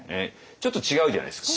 ちょっと違うじゃないですか。